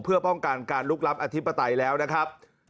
เพื่อป้องกันการลุกล้ำอธิปไตยแล้วนะครับ